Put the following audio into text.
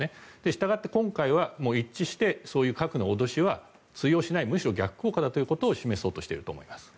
したがって、今回は一致してそういう核の脅しは通用しないむしろ逆効果だということを示そうとしていると思います。